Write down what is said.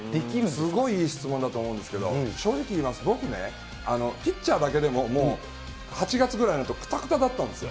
すごいいい質問だと思うんですけど、正直言います、僕ね、ピッチャーだけでも８月ぐらいでくたくただったんですよ。